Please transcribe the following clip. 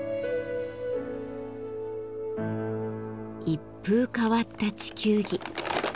一風変わった地球儀。